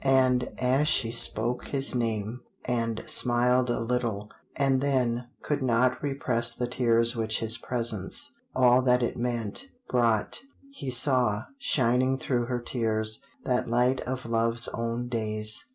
And as she spoke his name, and smiled a little, and then could not repress the tears which his presence, all that it meant, brought, he saw, shining through her tears, that light of love's own days.